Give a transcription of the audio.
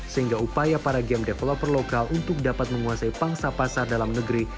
sehingga upaya para game developer lokal untuk dapat menguasai pangsa pasar dalam negeri